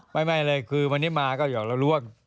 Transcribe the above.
ไม่เลยคือวันนี้มาก็หอกเรารู้ว่า